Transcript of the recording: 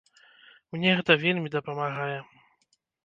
Мне гэта вельмі дапамагае.